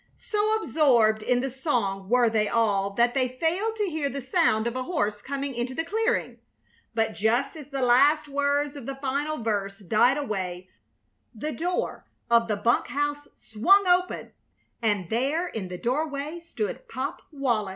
So absorbed in the song were they all that they failed to hear the sound of a horse coming into the clearing. But just as the last words of the final verse died away the door of the bunk house swung open, and there in the doorway stood Pop Wallis!